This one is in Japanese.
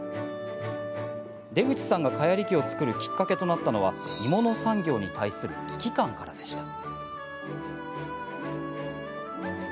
出口さんが蚊やり器を作るきっかけとなったのは鋳物産業に対する危機感からでした。